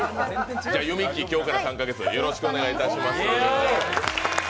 じゃあ、ゆみっきー、今日から３か月よろしくお願いします。